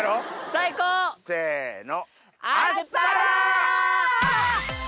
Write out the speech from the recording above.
最高！せの。